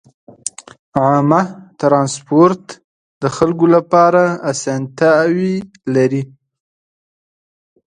عامه ترانسپورت د خلکو لپاره اسانتیاوې لري.